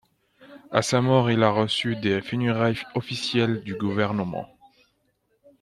À sa mort, il a reçu des funérailles officielles du gouvernement.